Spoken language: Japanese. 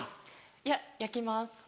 いや焼きます。